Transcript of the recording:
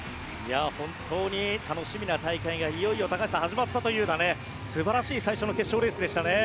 本当に楽しみな大会がいよいよ始まったという素晴らしい最初の決勝レースでしたね。